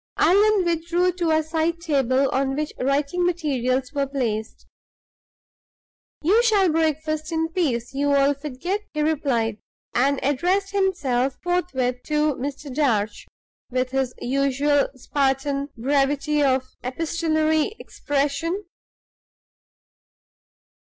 Allan withdrew to a side table on which writing materials were placed. "You shall breakfast in peace, you old fidget," he replied, and addressed himself forthwith to Mr. Darch, with his usual Spartan brevity of epistolary expression.